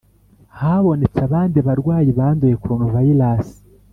habonetse abandi barwayi banduye coronavirus